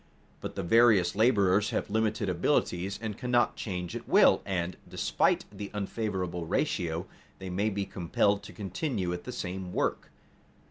But the various laborers have limited abilities and cannot change at will and, despite the unfavorable ratio, they may be compelled to continue at the same work.